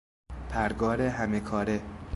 پرگار همه کاره